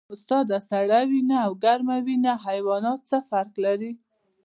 استاده سړه وینه او ګرمه وینه حیوانات څه فرق لري